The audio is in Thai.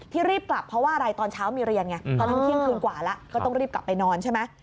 รีบกลับเพราะว่าอะไรตอนเช้ามีเรียนไงตอนนั้นเที่ยงคืนกว่าแล้วก็ต้องรีบกลับไปนอนใช่ไหม